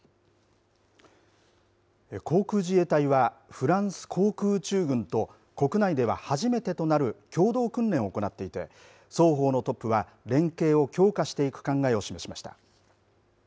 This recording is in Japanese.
航空自衛隊はフランス航空宇宙軍と国内では初めてとなる共同訓練を行っていて双方のトップは連携を強化していく考えを示しました。